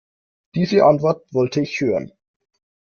Diese Antwort wollte ich hören.